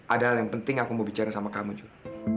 ada hal yang penting aku mau bicara sama kamu jul